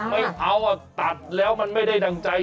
ไม่เอาอ่ะตัดแล้วมันไม่ได้ดังใจ